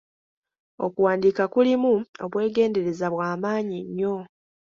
Okuwandiika kulimu obwegendereza bwa maanyi nnyo!